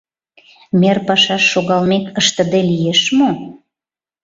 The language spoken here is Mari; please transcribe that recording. Мер пашаш шогалмек, ыштыде лиеш мо?